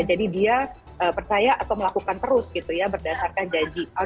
jadi dia percaya atau melakukan terus gitu ya berdasarkan janji